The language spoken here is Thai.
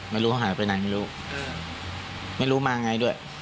ไม่รู้เขาหายไปไหนไม่รู้ไม่รู้มาไงด้วย